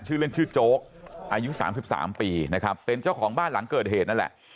ชื่อเล่นชื่อโจ๊กอายุ๓๓ปีนะครับเป็นเจ้าของบ้านหลังเกิดเหตุนั่นแหละ